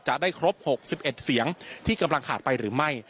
จะได้ครบ๖๑เสียงที่กำลังขาดไปหรือไม่